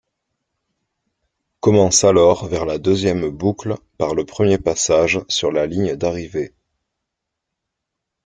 Commence alors vers la deuxième boucle par le premier passage sur la ligne d'arrivée.